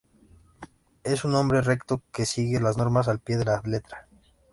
Es un hombre recto que sigue las normas al pie de la letra.